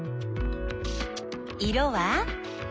色は？